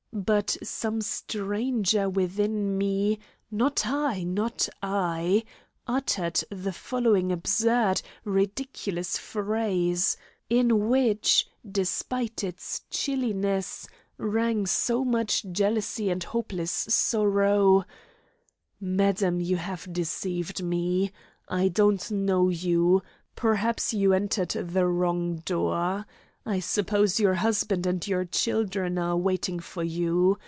But some stranger within me not I not I uttered the following absurd, ridiculous phrase, in which, despite its chilliness, rang so much jealousy and hopeless sorrow: "Madam, you have deceived me. I don't know you. Perhaps you entered the wrong door. I suppose your husband and your children are waiting for you.